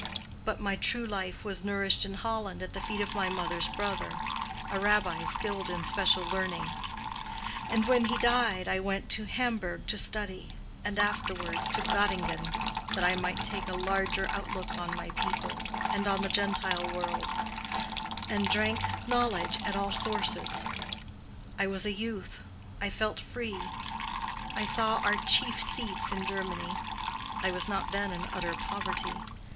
But my true life was nourished in Holland at the feet of my mother's brother, a Rabbi skilled in special learning: and when he died I went to Hamburg to study, and afterwards to Göttingen, that I might take a larger outlook on my people, and on the Gentile world, and drank knowledge at all sources. I was a youth; I felt free; I saw our chief seats in Germany; I was not then in utter poverty.